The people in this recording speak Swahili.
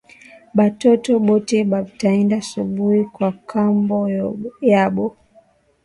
Batoto bote ba taenda asubui kwa kambo yabo